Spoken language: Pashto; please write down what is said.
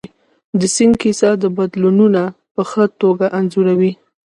د سیند کیسه بدلونونه په ښه توګه انځوروي.